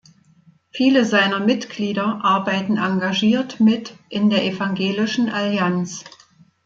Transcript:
Viele seiner Mitglieder arbeiten engagiert mit in der Evangelischen Allianz.